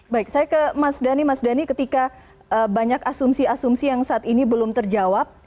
baik saya ke mas dhani mas dhani ketika banyak asumsi asumsi yang saat ini belum terjawab